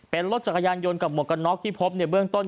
เป็นรถจักรยานยนต์กับหมวกกันน็อกที่พบในเบื้องต้น